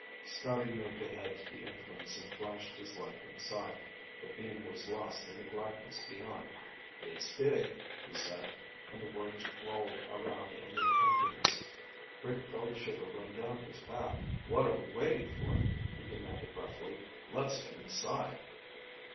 Scotty moved ahead to the entrance and flashed his light inside. The beam was lost in the blackness beyond. "It's big," he said, and the words rolled around in the emptiness. Rick felt a shiver run down his back. "What are we waiting for?" he demanded roughly. "Let's get inside."